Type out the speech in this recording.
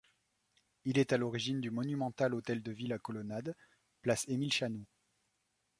Il est à l’origine du monumental Hôtel de Ville à colonnade, place Émile Chanoux.